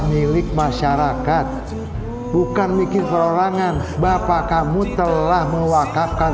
milik masyarakat bukan mikir perorangan bapak kamu telah mewakafkan